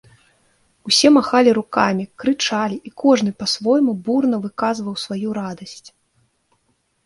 Усе махалі рукамі, крычалі і кожны па-свойму бурна выказваў сваю радасць.